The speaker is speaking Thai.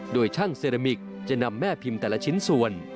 โดยช่างเซรามิกจะนำแม่พิมพ์แต่ละชิ้นส่วน